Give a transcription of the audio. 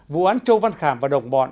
vụ án châu văn khảm và đồng bọn